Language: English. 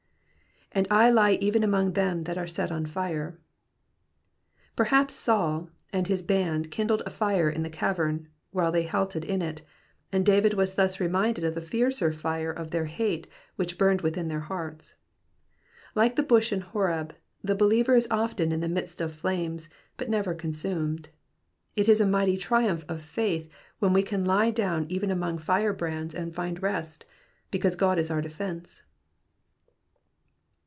^^And I lie even among them that are set on fire,'* ^ 4 Digitized by VjOOQIC 50 EXPOSITIONS OP THE PSALMS. Perhaps Saul and his band kindled a fire in the cavern while they halted in it, and David was thus reminded of the fiercer fire of their hate which burned within their hearts. Like the bush in Horeb, the believer is often in the midst of flames, but never consumed. It is a mighty triumph of faith when wo can lie down even among firebrands and find rest, because God is our defence.